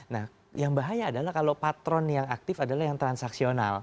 nah yang bahaya adalah kalau patron yang aktif adalah yang transaksional